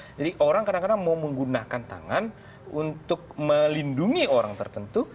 jadi orang kadang kadang mau menggunakan tangan untuk melindungi orang tertentu